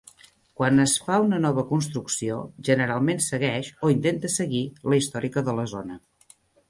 Quan es fa una nova construcció generalment segueix, o intenta seguir, la històrica de la zona.